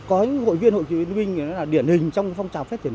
có những hội viên hội chiến binh nó là điển hình trong phong trào phát triển